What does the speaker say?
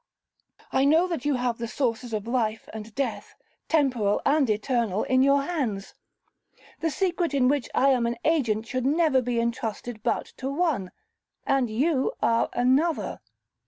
I know that you have the sources of life and death, temporal and eternal, in your hands. The secret in which I am an agent should never be intrusted but to one, and you are another.